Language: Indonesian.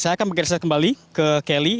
saya akan bergeser kembali ke kelly